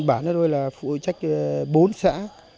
bản thân tôi là phụ trách bốn xã